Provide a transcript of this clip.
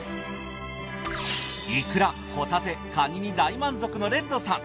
いくらホタテかにに大満足のレッドさん。